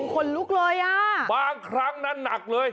ขนลุกเลยอ่ะบางครั้งนั้นหนักเลย